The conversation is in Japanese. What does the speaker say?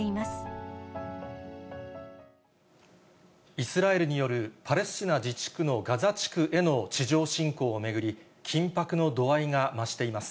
イスラエルによるパレスチナ自治区のガザ地区への地上侵攻を巡り、緊迫の度合いが増しています。